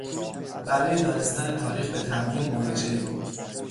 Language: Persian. برای دانستن تاریخ به تقویم مراجعه کن!